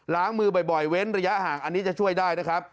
ล้างมือบ่อยเว้นระยะห่างอันนี้จะช่วยได้นะครับ